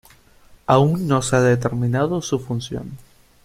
Aún no se ha determinado su función.